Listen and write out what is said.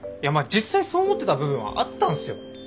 実際そう思ってた部分はあったんすよ。